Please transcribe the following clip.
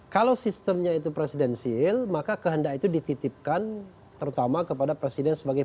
kalau sistemnya itu presidensil maka kehendak itu dititipkan terutama kepada presiden sebagai